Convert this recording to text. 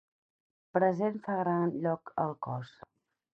Present fa gran lloc al cos.